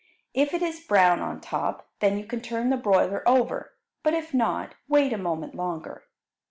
If it is brown on top, then you can turn the broiler over, but if not, wait a moment longer.